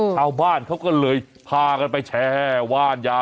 ชาวบ้านเขาก็เลยพากันไปแช่ว่านยา